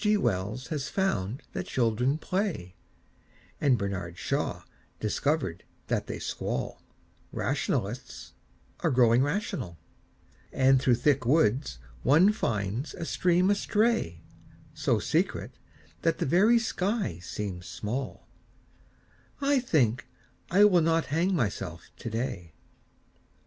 G. Wells has found that children play, And Bernard Shaw discovered that they squall; Rationalists are growing rational And through thick woods one finds a stream astray, So secret that the very sky seems small I think I will not hang myself today.